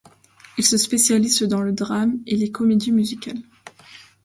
Il se spécialise dans le drame et les comédies musicales.